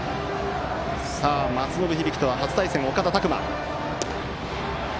松延響とは初対戦の岡田拓馬。